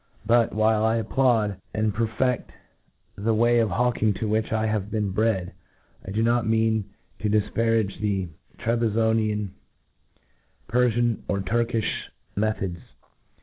But, while I applatid and pre fer the way of hawking to which I have been bred, I do not mean to difparage the Trebezondi an, Perfian, or Turkiih methods.